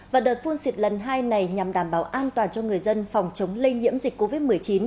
và đợt phun xịt lần hai này nhằm đảm bảo an toàn cho người dân phòng chống lây nhiễm dịch covid một mươi chín